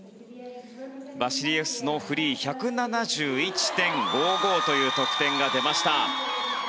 バシリエフスのフリー１７１．５５という得点が出ました。